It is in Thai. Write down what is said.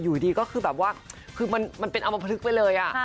อยู่ดีก็คือแบบว่าคือมันเป็นอมพลึกไปเลย